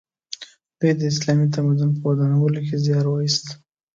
دوی د اسلامي تمدن په ودانولو کې زیار وایست.